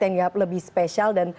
yang lebih spesial dan